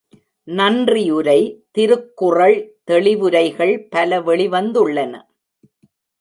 நன்றியுரை திருக்குறள் தெளிவுரைகள் பல வெளிவந்துள்ளன.